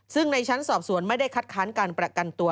ซึ่งในชั้นสอบสวนไม่ได้คัดค้านการประกันตัว